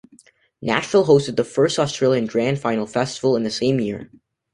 Nashville hosted the first Australian Grand Final Festival in the same year.